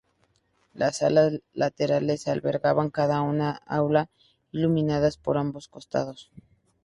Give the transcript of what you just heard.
Las alas laterales albergaban cada una un aula, iluminadas por ambos costados.